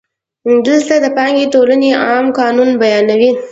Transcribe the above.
دلته د پانګې د ټولونې عام قانون بیانوو